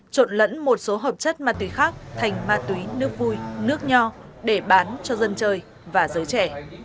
trộn lẫn một số hợp chất ma túy khác thành ma túy nước vui nước nho để bán cho dân chơi và giới trẻ